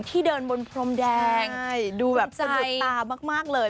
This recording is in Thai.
ที่เดินบนพรมแดงดูแบบสะดุดตามากเลย